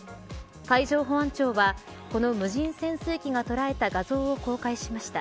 海上保安庁はこの無人潜水機が捉えた画像を公開しました。